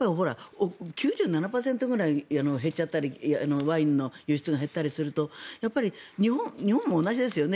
９７％くらい減っちゃったりワインの輸出が減ったりするとやはり日本も同じですよね